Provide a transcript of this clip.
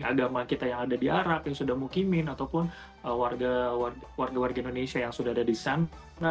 agama kita yang ada di arab yang sudah mukimin ataupun warga warga indonesia yang sudah ada di sana